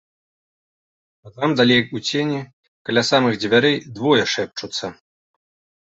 А там далей у цені каля самых дзвярэй двое шэпчуцца.